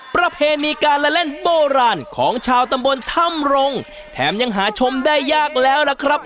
ประเพณีการละเล่นโบราณของชาวตำบลถ้ำรงแถมยังหาชมได้ยากแล้วล่ะครับ